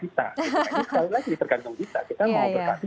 sekali lagi tergantung kita